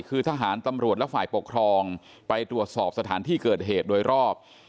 คือทหารตำรวจและฝ่ายปกครองไปตรวจสอบสถานที่เกิดเหตุโดยรอบ